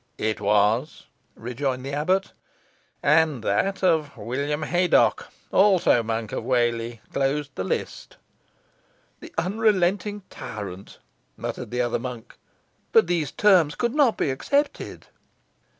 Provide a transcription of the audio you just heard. "It was," rejoined the abbot. "And that of William Haydocke, also Monk of Whalley, closed the list." "The unrelenting tyrant!" muttered the other monk. "But these terms could not be accepted?"